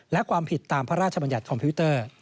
และความผิดตามพระราชบัญญัติคอมพิวเตอร์